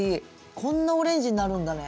こんなオレンジになるんだね。